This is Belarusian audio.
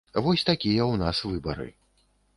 Вось такія ў нас выбары.